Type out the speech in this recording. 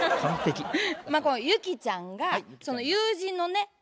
このユキちゃんが友人のね